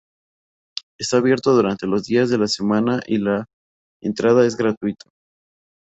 Está abierto durante los días de la semana y la entrada es gratuita.